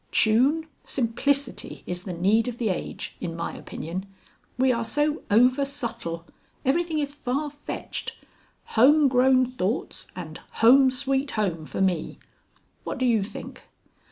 Tune, simplicity is the need of the age, in my opinion. We are so over subtle. Everything is far fetched. Home grown thoughts and 'Home, Sweet Home' for me. What do you think?"